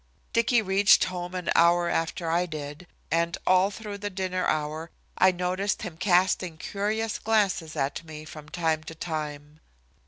Dicky reached home an hour after I did, and all through the dinner hour I noticed him casting curious glances at me from time to time.